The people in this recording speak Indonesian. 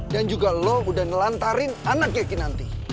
dan juga lo udah ngelantarin anaknya kinanti